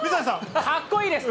かっこいいです。